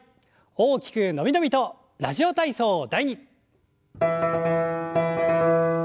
大きく伸び伸びと「ラジオ体操第２」。